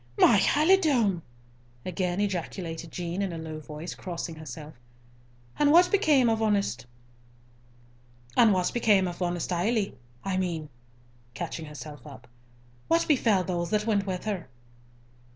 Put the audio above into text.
"My halidome!" again ejaculated Jean, in a low voice, crossing herself. "And what became of honest Ailie—I mean," catching herself up, "what befell those that went with her?"